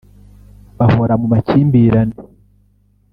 bahora mu makimbirane